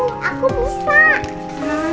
oma lihat aku aku bisa